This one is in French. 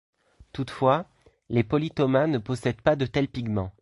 Toutefois, les polytomas ne possèdent pas de tels pigments.